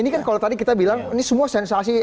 ini kan kalau tadi kita bilang ini semua sensasi